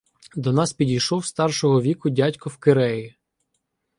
До нас підійшов старшого віку дядько в киреї.